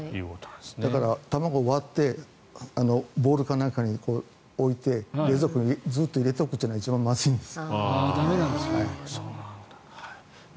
だから、卵を割ってボウルか何かに置いて冷蔵庫にずっと入れておくというのは一番まずいんです。